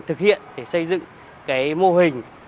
thực hiện để xây dựng cái mô hình